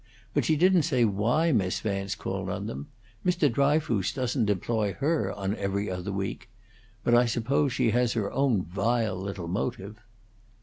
But she didn't say why Miss Vance called on them. Mr. Dryfoos doesn't employ her on 'Every Other Week.' But I suppose she has her own vile little motive."